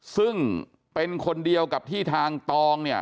ซึ่งเป็นคนเดียวกับที่ทางตองเนี่ย